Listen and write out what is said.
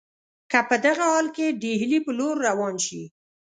که په دغه حال کې ډهلي پر لور روان شي.